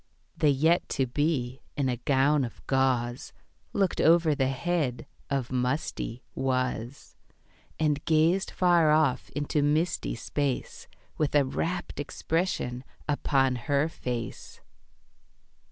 The Yet to be, in a gown of gauze, Looked over the head of musty Was, And gazed far off into misty space With a wrapt expression upon her face.